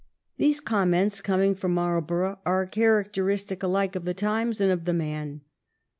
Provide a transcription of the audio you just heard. These comments coming from Marlborough are characteristic ahke of the times and of the man.